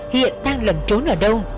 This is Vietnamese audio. hiện đang lẩn trốn ở đâu